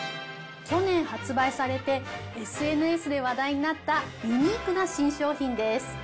去年発売されて、ＳＮＳで話題になったユニークな新商品です。